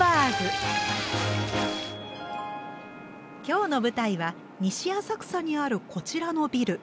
今日の舞台は西浅草にあるこちらのビル。